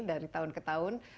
dari tahun ke tahun